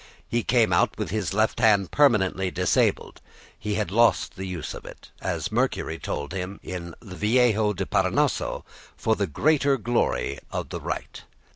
He came out with his left hand permanently disabled; he had lost the use of it, as Mercury told him in the "Viaje del Parnaso" for the greater glory of the right.